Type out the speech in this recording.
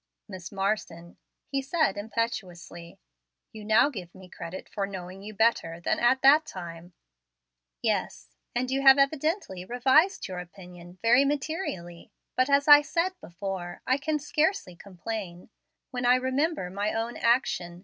"Miss Marsden," he said, impetuously, "you now give me credit for knowing you better than at that time " "Yes; and you have evidently revised your opinion very materially. But, as I said before, I can scarcely complain, when I remember my own action.